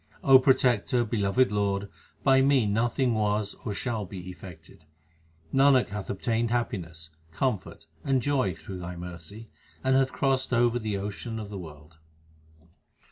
O Protector, beloved Lord, by me nothing was or shall be effected. Nanak hath obtained happiness, comfort, and joy through Thy mercy, and hath crossed over the ocean of the world.